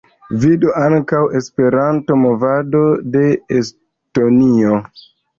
Vidu ankaŭ Esperanto-movado de Estonio.